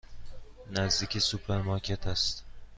نزدیک سوپرمارکت است.